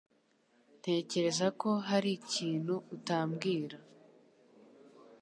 Ntekereza ko hari ikintu utambwira.